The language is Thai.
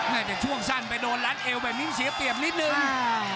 ในช่วงสั้นไปโดนรัดเอวแบบนี้เสียเปรียบนิดนึง